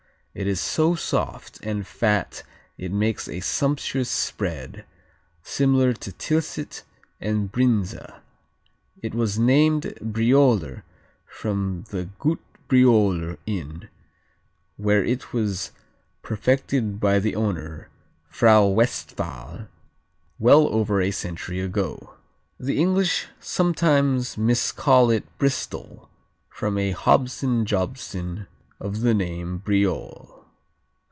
It is so soft and fat it makes a sumptuous spread, similar to Tilsit and Brinza. It was named Brioler from the "Gute Brioler" inn where it was perfected by the owner, Frau Westphal, well over a century ago. The English sometimes miscall it Bristol from a Hobson Jobson of the name Briol.